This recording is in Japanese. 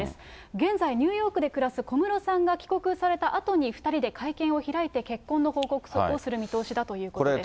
現在、ニューヨークで暮らす小室さんが帰国されたあとに、２人で会見を開いて結婚の報告をする見通しだということです。